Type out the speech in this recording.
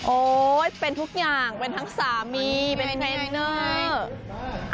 เป็นทุกอย่างเป็นทั้งสามีเป็นเทรนเนอร์